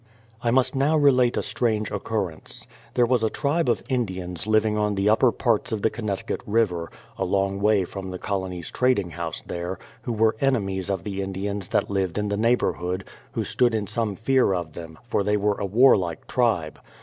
I must now relate a strange occurrence. There was a tribe of Indians living on the upper parts of the Connecti cut River, a long way from the colony's trading house there, who were enemies of the Indians that lived in the neigh bourhood, who stood in some fear of them, for they were a war like tribe.